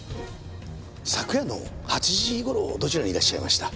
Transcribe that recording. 昨夜の８時頃どちらにいらっしゃいました？